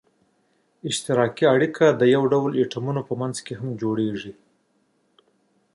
اشتراکي اړیکه د یو ډول اتومونو په منځ کې هم جوړیږي.